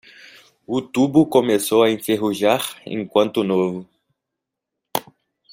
O tubo começou a enferrujar enquanto novo.